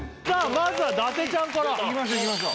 まずは伊達ちゃんからいきましょういきましょう